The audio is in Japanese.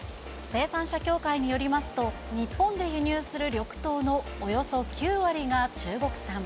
生産者協会によりますと、日本で輸入する緑豆のおよそ９割が中国産。